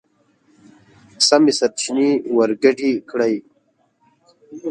سمې سرچينې ورګډې کړئ!.